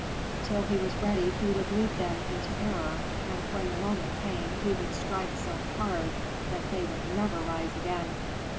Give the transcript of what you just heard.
Till he was ready he would lead them into error, and when the moment came he would strike so hard that they would never rise again.